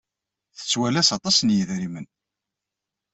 Tettwalas aṭas n yidrimen.